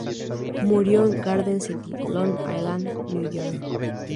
Murió en Garden City, Long Island, Nueva York.